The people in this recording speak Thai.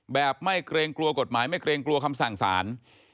แบบไม่เกรงกลัวกฎหมายไม่เกรงกลัวคำสั่งสาร